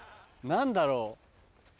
何だろう？